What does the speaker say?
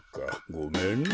ごめんな。